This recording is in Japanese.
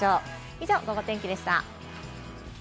以上、ゴゴ天気でした。